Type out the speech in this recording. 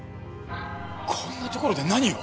こんな所で何を？